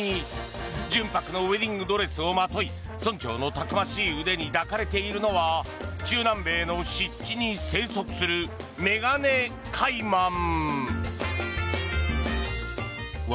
純白のウェディングドレスをまとい村長のたくましい腕に抱かれているのは中南米の湿地に生息するメガネカイマン。